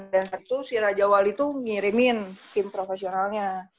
dan waktu si raja wali tuh ngirimin tim profesionalnya